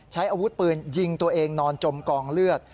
ใช้อาวุธปืนยิงตัวเองนอนจมกองเลือด